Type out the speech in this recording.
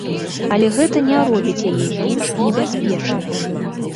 Але гэта не робіць яе менш небяспечнай.